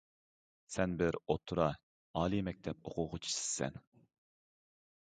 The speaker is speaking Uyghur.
سەن بىر ئوتتۇرا، ئالىي مەكتەپ ئوقۇغۇچىسىسەن.